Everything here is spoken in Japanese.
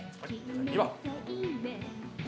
２番。